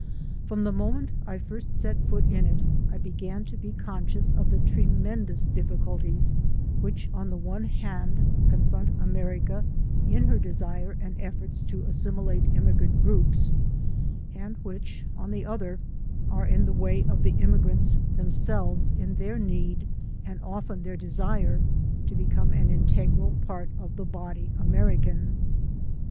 From the moment I first set foot in it, I began to be conscious of the tremendous difficulties which on the one hand confront America in her desire and efforts to as similate immigrant groups ; and which, on the other, [ 227 ] 228THE SOUL OF AN IMMIGRANT are in the way of the immigrants themselves in their need, and often their desire, to become an integral part of the body American.